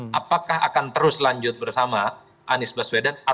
mas sudha tentu anda menyimak tadi ya